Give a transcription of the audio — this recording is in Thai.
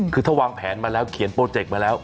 คือถ้าวางแผนมาแล้วเขียนโปรเจกต์มาแล้ว